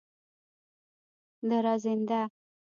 دراځینده